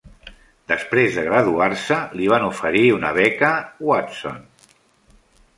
Després de graduar-se, li van oferir una beca Watson.